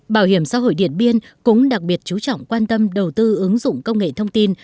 bảo hiểm xã hội điện biên cũng đặc biệt chú trọng quan tâm đầu tư ứng dụng công nghệ thông tin